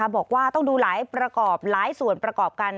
บอกว่าต้องดูหลายส่วนประกอบกัน